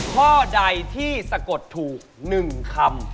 ข้อใดที่สะกดถูก๑คำ